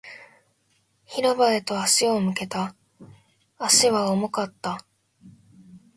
広場へと足を向けた。足は重かった。